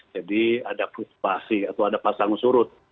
jadi ada fluktuasi atau ada pasang surut